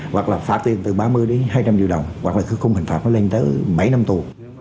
hoặc là phá tiền từ ba mươi hai trăm linh triệu đồng hoặc là cứ không hình phạt nó lên tới bảy năm tù